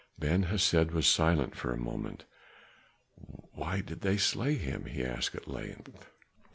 Ben Hesed was silent for a moment, "Why did they slay him?" he asked at length.